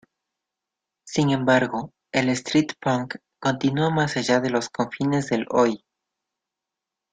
Sin embargo, El street punk continuó más allá de los confines del Oi!